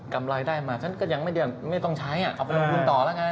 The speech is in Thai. กำไรได้มาฉันก็ยังไม่ต้องใช้เอาความคุ้นต่อแล้วกัน